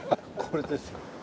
これですよ。